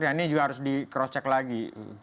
ini juga harus di cross check lagi